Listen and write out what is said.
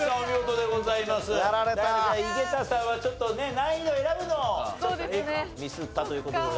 井桁さんはちょっとね難易度選ぶのをミスったという事で。